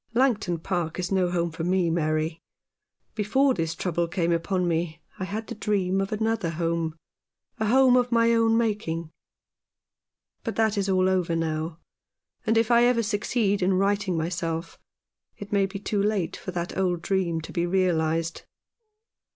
Langton Park is no home for me, Mary. Before this trouble came upon me I had the dream of another home — a home of my own making. 207 Rough Justice. But that is all over now ; and if ever I succeed in righting myself it may be too late for that old dream to be realized."